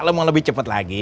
kalau mau lebih cepat lagi